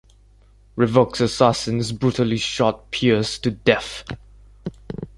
Revok's assassins brutally shoot Pierce to death.